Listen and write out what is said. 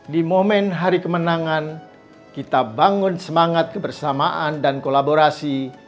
di momen hari kemenangan kita bangun semangat kebersamaan dan kolaborasi